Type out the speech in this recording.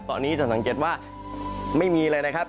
ตอนนี้จะสังเกตว่าไม่มีเลยนะครับ